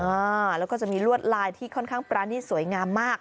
อ่าแล้วก็จะมีลวดลายที่ค่อนข้างปรานีตสวยงามมาก